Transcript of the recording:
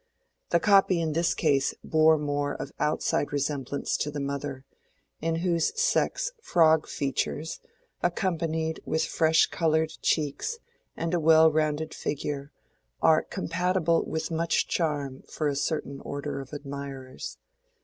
The copy in this case bore more of outside resemblance to the mother, in whose sex frog features, accompanied with fresh colored cheeks and a well rounded figure, are compatible with much charm for a certain order of admirers.